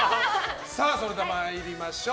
それでは、参りましょう。